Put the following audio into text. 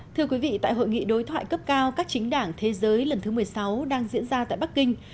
thưa quý vị tại hội nghị đối thoại cấp cao các chính đảng thế giới lần thứ một mươi sáu đang diễn ra tại bắc kinh